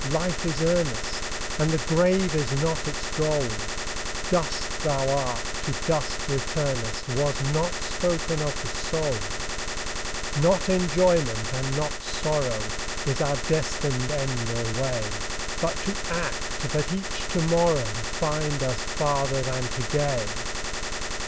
Life is earnest ! And the grave is not its goal ; Dust thou art, to dust returnest, Was not spoken of the soul. VOICES OF THE NIGHT. Not enjoyment, and not sorrow, Is our destined end or way ; But to act, that each to morrow Find us farther than to day.